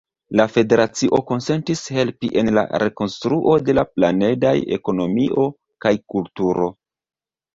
La federacio konsentis helpi en la rekonstruo de la planedaj ekonomio kaj kulturo.